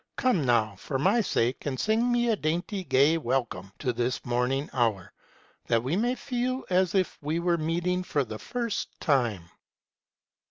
Come now, for my sake, and sing me a dainty, gay welcome to this morning hour, that we may feel as if we were meeting for the first time.'